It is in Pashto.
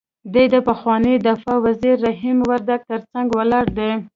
دی د پخواني دفاع وزیر رحیم وردګ تر څنګ ولاړ دی.